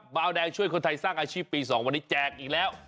บาวแดงช่วยคนไทยสร้างอาชีพปี๒วันนี้แจกอีกแล้ว